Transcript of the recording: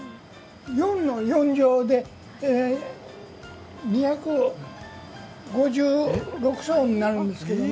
４の４乗で２５６層になるんですけどね。